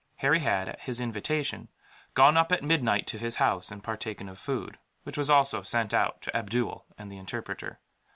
Harry had, at his invitation, gone up at midnight to his house, and partaken of food; which was also sent out to Abdool and the interpreter.